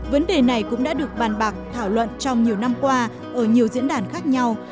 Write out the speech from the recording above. vấn đề này cũng đã được bàn bạc thảo luận trong nhiều năm qua ở nhiều diễn đàn khác nhau